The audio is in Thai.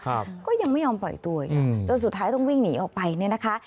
ก็ยังไม่ยอมปล่อยตัวไงจนสุดท้ายต้องวิ่งหนีออกไปเนี่ยนะคะ